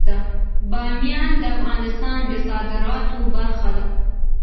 بامیان د افغانستان د صادراتو برخه ده.